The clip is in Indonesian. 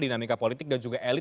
dinamika politik dan juga elit